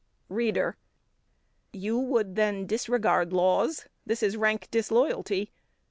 READER: You would then disregard laws this is rank disloyalty.